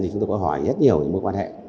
chúng tôi có hỏi rất nhiều những mối quan hệ